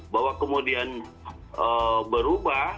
bahwa kemudian berubah